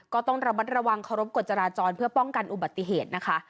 ก็ต้องระวังร้องกวดจราจรเพื่อป้องกันอุบัติเหตุนะคะ